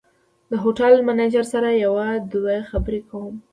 د هوټل منیجر سره یو دوه خبرې کوم.